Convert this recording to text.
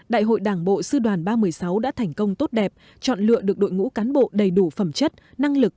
đại hội đảng bộ sư đoàn ba mươi sáu đã thành công tốt đẹp chọn lựa được đội ngũ cán bộ đầy đủ phẩm chất năng lực